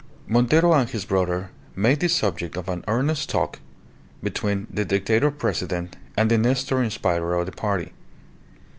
Montero and his brother made the subject of an earnest talk between the Dictator President and the Nestor inspirer of the party.